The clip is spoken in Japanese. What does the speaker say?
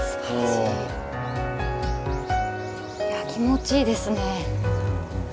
いや気持ちいいですね。